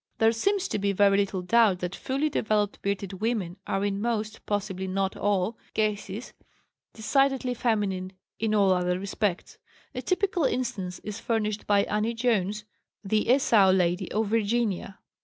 There seems to be very little doubt that fully developed "bearded women" are in most, possibly not all, cases decidedly feminine in all other respects. A typical instance is furnished by Annie Jones, the "Esau Lady" of Virginia.